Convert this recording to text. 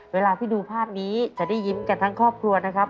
เวลาที่ดูภาพนี้จะได้ยิ้มกันทั้งครอบครัวนะครับ